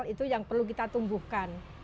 itu yang perlu kita tumbuhkan